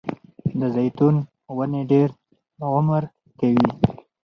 د زیتون ونې ډیر عمر کوي